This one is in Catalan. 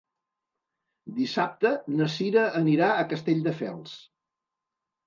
Dissabte na Cira anirà a Castelldefels.